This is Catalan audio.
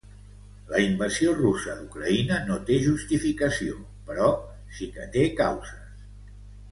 La invasió russa d’Ucraïna no té justificació, però sí que té causes.